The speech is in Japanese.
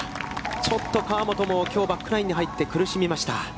ちょっと河本もきょうバックナインに入って苦しみました。